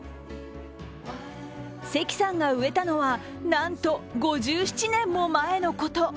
関さんが植えたのはなんと５７年も前のこと。